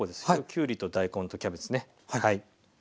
きゅうりと大根とキャベツね。